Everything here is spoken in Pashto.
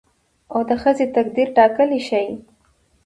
او د ښځې تقدير ټاکلى شي